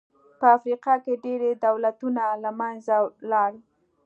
په افریقا کې ډېری دولتونه له منځه لاړل.